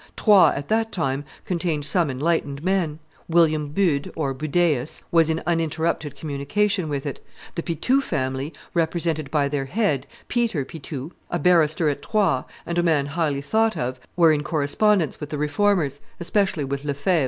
... Troyes at that time contained some enlightened men; William Bude (Budaeus) was in uninterrupted communication with it; the Pithou family, represented by their head, Peter Pithou, a barrister at Troyes and a man highly thought of, were in correspondence with the Reformers, especially with Lefevre of Etaples."